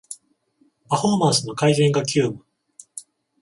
パフォーマンスの改善が急務